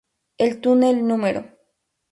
El túnel Núm.